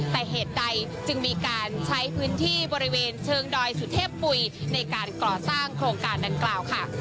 แต่เหตุใดจึงมีการใช้พื้นที่บริเวณเชิงดอยสุเทพปุ๋ยในการก่อสร้างโครงการดังกล่าวค่ะ